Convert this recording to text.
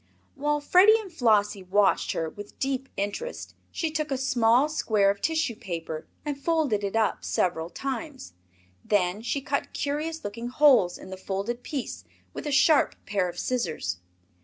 While Freddie and Flossie watched her with deep interest, she took a small square of tissue paper and folded it up several times. Then she cut curious looking holes in the folded piece with a sharp pair of scissors.